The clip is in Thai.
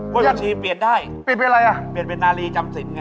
เพราะยาชีเปลี่ยนได้เปลี่ยนเป็นอะไรอ่ะเปลี่ยนเป็นนาลีจำสินไง